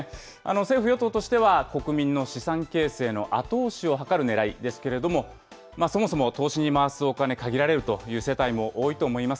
政府・与党としては、国民の資産形成の後押しを図るねらいですけれども、そもそも投資に回すお金、限られるという世帯も多いと思います。